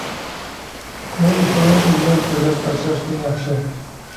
بۇ ئۇسۇلنىڭ ئۈنۈمى بېلەت تاشلاشتىن ياخشى.